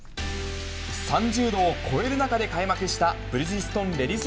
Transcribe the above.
３０度を超える中で開幕したブリヂストンレディス